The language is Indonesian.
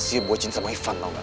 si bocin sama ivan tau gak